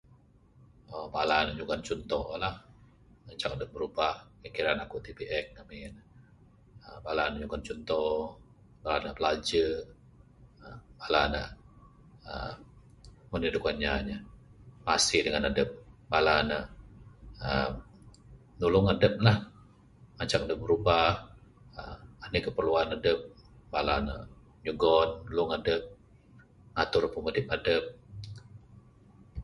Naung bala ne nyugon cunto la ngancak dep birubah pikiran aku ti biek ngamin ne uhh Bala ne nyugon cunto bala ne bilajek uhh anih da kuan inya masi dangan adep. Bala ne uhh nulung adep la ngancak adep birubah anih keperluan adep bala ne nyugon nulung adep ngatur pimudip adep